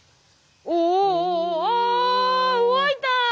おおあ動いた！